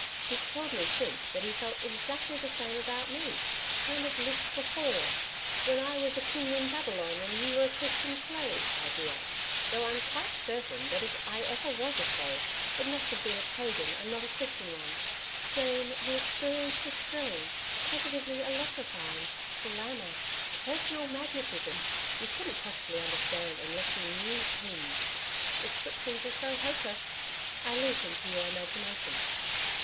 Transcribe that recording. He's told me since, that he felt exactly the same about me. Kind of lived before "WHEN I WAS A KING IN BABYLON AND YOU WERE A CHRISTIAN SLAVE" idea. Though I'm quite certain that if I ever was a slave it must have been a Pagan and not a Christian one. Joan, the experience was thrilling, positively electrifying Glamour personal magnetism.... You couldn't possibly understand unless you knew HIM. Descriptions are so hopeless. I'll leave him to your imagination.